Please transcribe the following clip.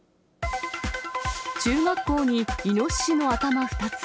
中学校にイノシシの頭２つ。